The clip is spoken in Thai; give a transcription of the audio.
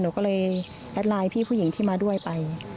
หนูก็เลยแอดไลน์พี่ผู้หญิงที่มาด้วยไป